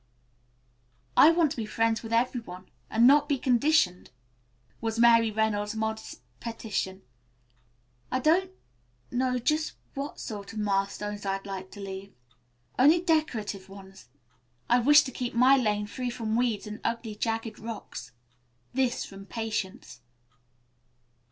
"I want to be friends with every one, and not be conditioned," was Mary Reynolds' modest petition. "I don't know just what sort of milestones I'd like to leave. Only decorative ones, of course. I wish to keep my lane free from weeds and ugly, jagged rocks." This from Patience.